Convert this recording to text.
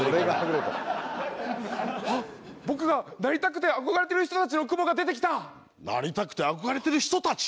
あっ僕がなりたくて憧れてる人たちの雲が出てきた。なりたくて憧れてる人たち？